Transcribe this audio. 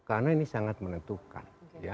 karena ini sangat menentukan